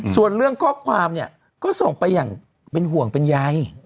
ส่วนเรื่องครอบความก็ส่งไปอย่างเป็นห่วงเป็นยัย